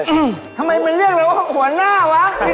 ทำไมมันเรียกเลยว่าหัวหน้าวะ